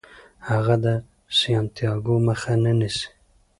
هغه د سانتیاګو مخه نه نیسي.